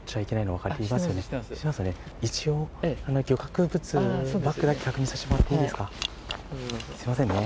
知ってますよね、一応、漁獲物のバッグだけ、確認させてもらっていいですか？